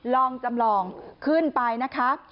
ลองจำลองขึ้นไปนะคะ